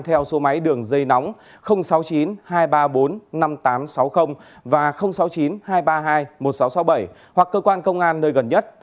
theo số máy đường dây nóng sáu mươi chín hai trăm ba mươi bốn năm nghìn tám trăm sáu mươi và sáu mươi chín hai trăm ba mươi hai một nghìn sáu trăm sáu mươi bảy hoặc cơ quan công an nơi gần nhất